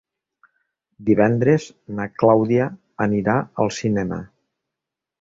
Divendres na Clàudia anirà al cinema.